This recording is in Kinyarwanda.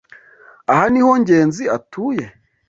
Aha niho Ngenzi atuye?